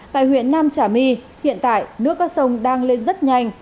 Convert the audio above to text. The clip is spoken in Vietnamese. tại huyện nam trà my hiện tại nước các sông đang lên rất nhanh